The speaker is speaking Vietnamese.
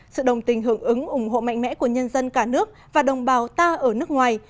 sự đồng tình hưởng ứng ủng hộ mạnh mẽ của nhân dân cả nước và đồng bào ta ở nước ngoài